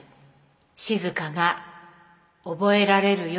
静が覚えられるようにって。